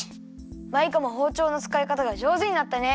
マイカもほうちょうのつかいかたがじょうずになったね。